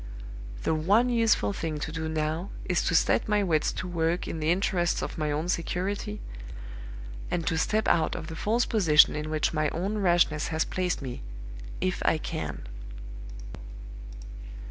The one useful thing to do now is to set my wits to work in the interests of my own security, and to step out of the false position in which my own rashness has placed me if I can."